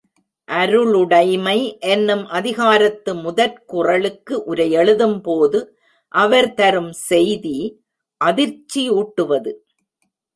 அருளுடைமை எனும் அதிகாரத்து முதற்குறளுக்கு உரையெழுதும் போது அவர் தரும் செய்தி அதிர்ச்சியூட்டுவது.